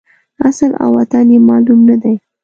اصل او وطن یې معلوم نه دی.